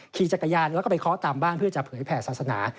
ขี่จักรยานแล้วก็ไปเคาะตามบ้านเพื่อจะเผยแผ่ศาสนา